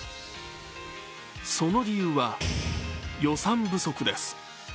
その理由は、予算不足です。